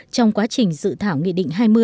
trong quá trình dự thảo nghị định hai mươi